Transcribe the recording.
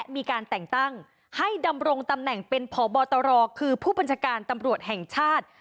มีการแต่งตั้งให้ดำรงตำแหน่งเป็นพบตรคือผู้บัญชาการตำรวจแห่งชาติ